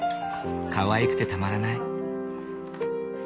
かわいくてたまらない。